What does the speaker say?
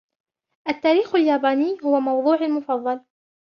التاريخ الياباني هو موضوعي المفضل.